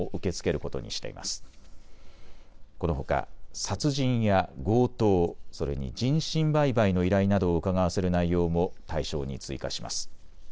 このほか殺人や強盗、それに人身売買の依頼などをうかがわせる内容も対象に追加します。